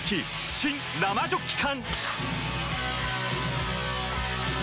新・生ジョッキ缶！